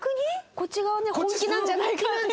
こっち側ね本気なんじゃないかって。